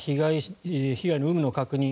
被害の有無の確認